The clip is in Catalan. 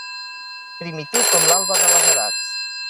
...primitiu com l'alba de les edats